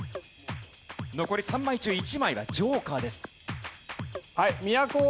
残り３枚中１枚がジョーカーです。